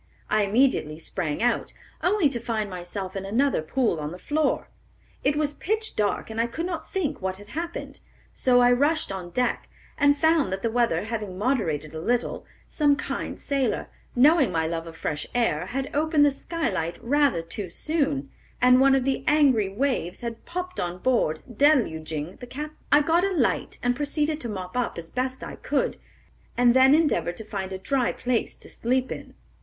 I immediately sprang out, only to find myself in another pool on the floor. It was pitch dark, and I could not think what had happened; so I rushed on deck, and found that the weather having moderated a little, some kind sailor, knowing my love of fresh air, had opened the skylight rather too soon, and one of the angry waves had popped on board, deluging the cabin. "I got a light, and proceeded to mop up, as best I could, and then endeavored to find a dry place to sleep in.